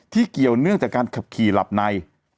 เกี่ยวเนื่องจากการขับขี่หลับใน